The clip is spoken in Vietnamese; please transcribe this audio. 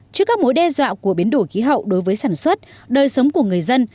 trước các mối đe dọa của biến đổi khí hậu đối với sản xuất đời sống của người dân